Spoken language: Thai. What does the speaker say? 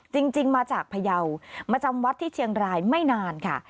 จริงมาจากพยาวมาจำวัดที่เชียงรายไม่นานค่ะ